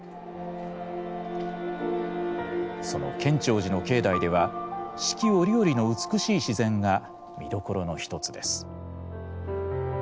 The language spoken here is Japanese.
その建長寺の境内では四季折々の美しい自然が見どころの一つです。